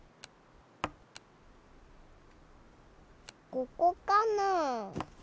ここかな？